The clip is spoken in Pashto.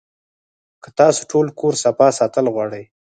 کۀ تاسو ټول کور صفا ساتل غواړئ